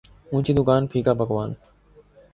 اونچی دکان پھیکا پکوان